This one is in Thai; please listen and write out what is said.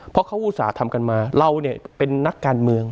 เพราะเขาอุตส่าห์ทำกันมาเราเนี่ยเป็นนักการเมือง